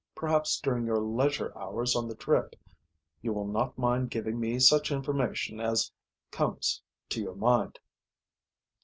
"Perhaps during your leisure hours on the trip you will not mind giving me such information as conics to your mind."